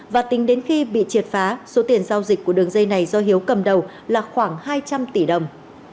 và tính đến khi bị triệt phá số tiền giao dịch của đường dây này do hiếu cầm đầu là khoảng hai trăm linh tỷ đồng